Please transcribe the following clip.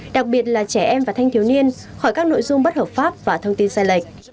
đặc biệt là trẻ em và thanh thiếu niên khỏi các nội dung bất hợp pháp và thông tin sai lệch